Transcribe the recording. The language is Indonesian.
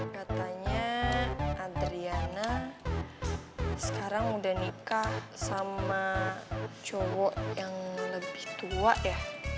katanya adriana sekarang udah nikah sama cowok yang lebih tua ya